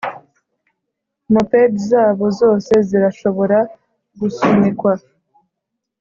moped zabo zose zirashobora gusunikwa.